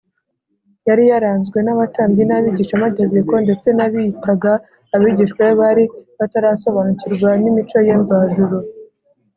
. Yari yaranzwe n’abatambyi n’abigishamategeko, ndetse n’abiyitaga abigishwa be bari batarasobanukirwa n’imico ye mvajuru